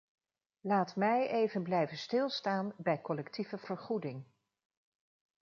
Laat mij even blijven stilstaan bij collectieve vergoeding.